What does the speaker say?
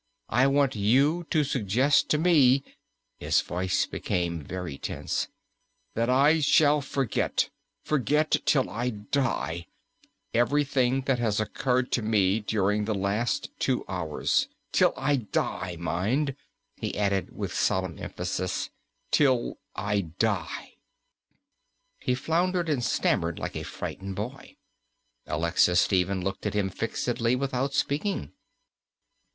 I want you to suggest to me" his voice became very tense "that I shall forget forget till I die everything that has occurred to me during the last two hours; till I die, mind," he added, with solemn emphasis, "till I die." He floundered and stammered like a frightened boy. Alexis Stephen looked at him fixedly without speaking.